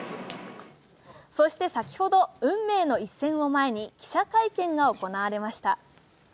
そして先ほど、運命の一戦を前に記者会見が行われました。